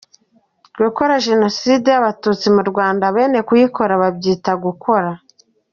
Gukora Jenoside y’Abatutsi mu Rwanda bene kuyikora babyitaga “gukora”.